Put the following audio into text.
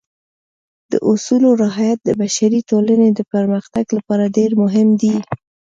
د اصولو رعایت د بشري ټولنې د پرمختګ لپاره ډېر مهم دی.